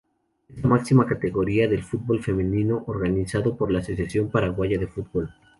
Es la máxima categoría del fútbol femenino organizado por la Asociación Paraguaya de Fútbol.